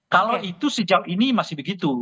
kalau itu sejauh ini masih begitu